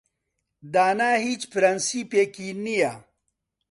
دانا هیچ پرەنسیپێکی نییە.